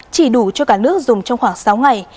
chỉ đủ cho cả nước dùng trong khoảng sáu ngày